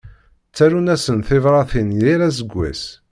Ttarun-asen tibratin yal aseggas.